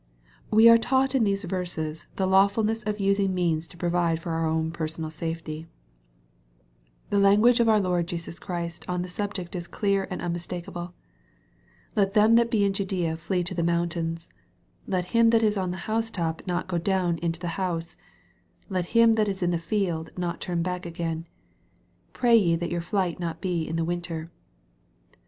WE are taught in these verses the lawfulness of using means to provide for our own personal safety. The lan guage of our Lord Jesus Christ on the subject is clear and unmistakeable :" Let them that be in Judaea flee to the mountains let him that is on the housetop not go down into the house let him that is in the field not turn back again pray ye that your flight be not in the winter."